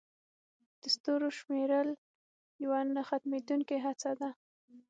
د ستورو شمیرل یوه نه ختمېدونکې هڅه ده.